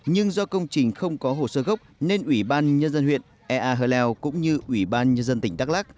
nhưng do công trình không có hồ sơ gốc nên ủy ban nhân dân huyện ea hờ leo cũng như ủy ban nhân dân tỉnh đắk lắc